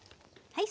はい。